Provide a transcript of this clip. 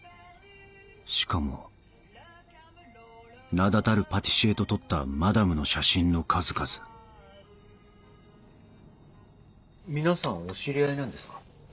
しかも名だたるパティシエと撮ったマダムの写真の数々皆さんお知り合いなんですか？